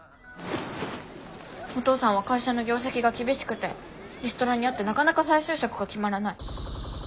お父さんは会社の業績が厳しくてリストラに遭ってなかなか再就職が決まらない。